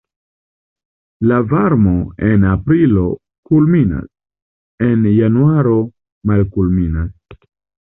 La varmo en aprilo kulminas, en januaro malkulminas.